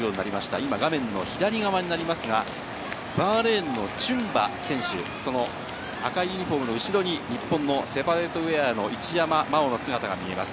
今、画面の左側になりますが、バーレーンのチュンバ選手、赤いユニホームの後ろに、日本のセパレートウエアの一山麻緒の姿が見えます。